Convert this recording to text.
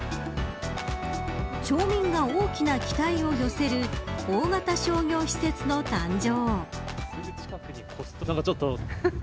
町民が大きな期待を寄せる大型商業施設の誕生。